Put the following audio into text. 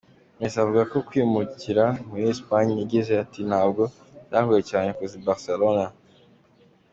Messi avuga ku kwimukira muri Espagne yagize ati “Ntabwo byangoye cyane kuza i Barcelona.